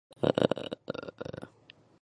至元十五年。